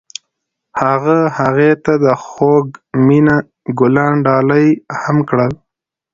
هغه هغې ته د خوږ مینه ګلان ډالۍ هم کړل.